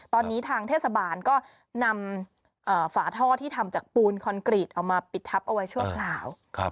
ตอนนี้ทางเทศบาลก็นำฝาท่อที่ทำจากปูนคอนกรีตเอามาปิดทับเอาไว้ชั่วคราว